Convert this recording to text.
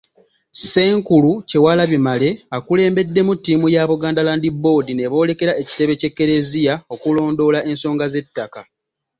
Ssenkulu Kyewalabye Male akulembeddemu ttiimu ya Buganda Land Board ne boolekera ekitebe ky'Ekklezia okulondoola ensonga z'ettaka.